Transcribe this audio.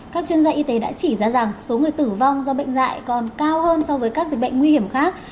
các chuyên gia y tế đã chỉ ra rằng số người tử vong do bệnh dạy còn cao hơn so với các dịch bệnh nguy hiểm khác